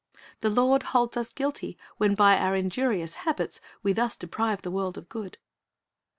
The Lord holds us guilty when b} our injurious habits we thus deprive the world of good.